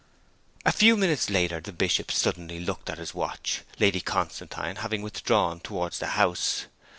A few minutes later the Bishop suddenly looked at his watch, Lady Constantine having withdrawn towards the house.